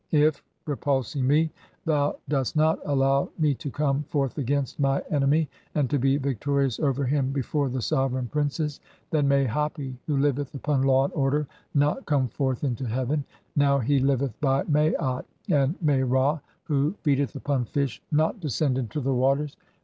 If, repulsing [me], thou "dost not (11) allow me to come forth against my Enemy and "to be victorious over him before the sovereign princes, then "may Hapi — who liveth upon law and order — not come forth "into heaven — now he liveth by Maat — (12) and may Ra — who "feedeth upon fish — not descend into the waters!